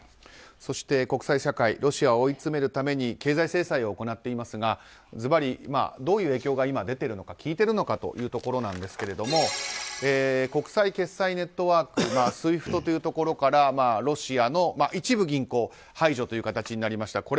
そして、国際社会ロシアを追い詰めるために経済制裁を行っていますがずばり、どういう影響が出ているのか効いているのかというところですが国際決済ネットワークＳＷＩＦＴというところからロシアの一部銀行排除という形になりました。